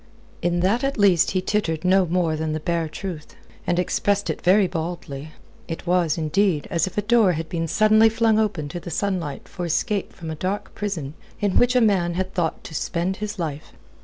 In that at least he tittered no more than the bare truth, and expressed it very baldly. It was, indeed, as if a door had been suddenly flung open to the sunlight for escape from a dark prison in which a man had thought to spend his life.